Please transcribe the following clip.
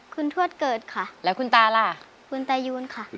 คุณทวดเกิดค่ะแล้วคุณตาล่ะคุณตายูนค่ะ